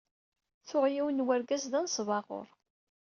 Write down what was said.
Tuɣ yiwen n wergaz d anesbaɣur.